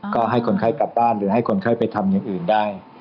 ก็ให้คนไข้กลับบ้านหรือให้คนไข้ไปทำอย่างอื่นได้